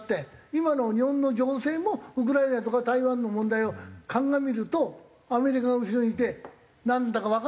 今の日本の情勢もウクライナとか台湾の問題を鑑みるとアメリカが後ろにいてなんだかわかんない状態でいるっていう。